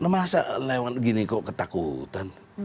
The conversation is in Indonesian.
masa lewat gini kok ketakutan